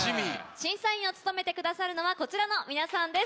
審査員を務めてくださるのはこちらの皆さんです。